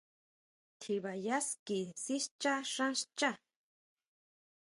Tjiba yá ski sischa xán xchá.